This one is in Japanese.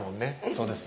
そうです